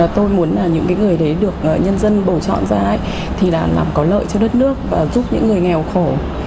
tôi muốn những người đấy được nhân dân bầu chọn ra là làm có lợi cho đất nước và giúp những người nghèo khổ